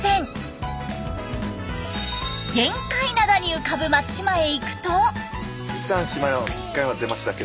玄界灘に浮かぶ松島へ行くと。